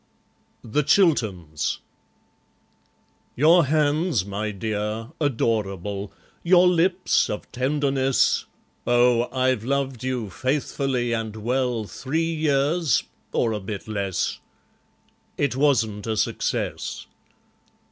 The Chilterns Your hands, my dear, adorable, Your lips of tenderness Oh, I've loved you faithfully and well, Three years, or a bit less. It wasn't a success.